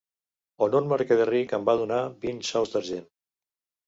On un mercader ric em va donar vint sous d'argent.